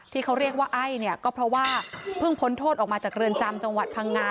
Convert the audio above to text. ที่เขาเรียกว่าไอ้เนี่ยก็เพราะว่าเพิ่งพ้นโทษออกมาจากเรือนจำจังหวัดพังงา